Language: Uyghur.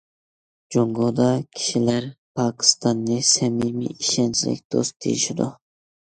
جۇڭگودا كىشىلەر پاكىستاننى« سەمىمىي، ئىشەنچلىك دوست» دېيىشىدۇ.